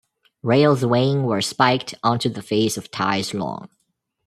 Rails weighing were spiked onto the face of ties long.